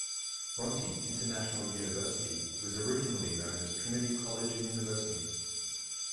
Bronte International University was originally known as "Trinity College and University".